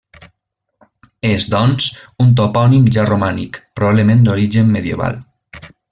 És, doncs, un topònim ja romànic, probablement d'origen medieval.